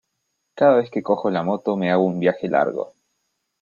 Cada vez que cojo la moto me hago un viaje largo.